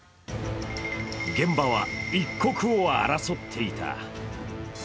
現場は一刻を争っていた。